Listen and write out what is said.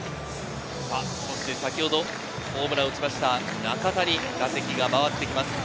先ほどホームランを打ちました中田に回ってきます。